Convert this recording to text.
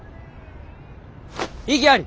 異議あり！